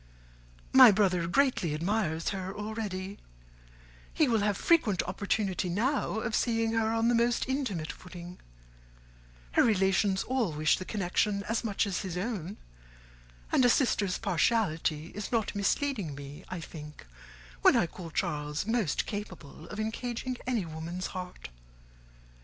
My brother admires her greatly already; he will have frequent opportunity now of seeing her on the most intimate footing; her relations all wish the connection as much as his own; and a sister's partiality is not misleading me, I think, when I call Charles most capable of engaging any woman's heart.